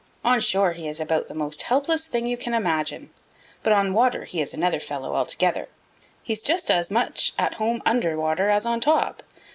On shore he is about the most helpless thing you can imagine. But on water he is another fellow altogether. He's just as much at home under water as on top.